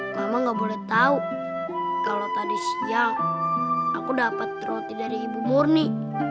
mama gak boleh tahu kalau tadi siang aku dapat roti dari ibu murni